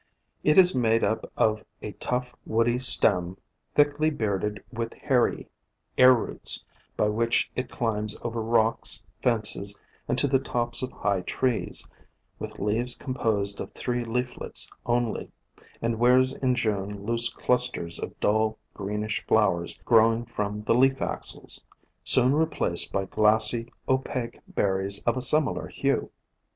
It is made up of a tough woody stem, thickly bearded with hairy air roots by which it climbs over rocks, fences and to the tops of high trees, with leaves composed of three leaflets only, and wears in June loose clusters of dull greenish flowers growing from the leaf axils, soon replaced by glassy, opaque berries of a similar hue.